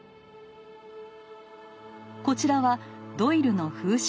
こちらはドイルの風刺画。